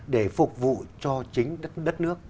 để phục vụ cho chính đất nước